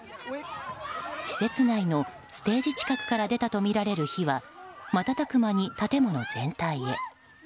施設内のステージ近くから出たとみられる火は瞬く間に建物全体へ。